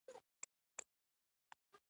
غبار هغه د انګرېزانو جاسوس باله.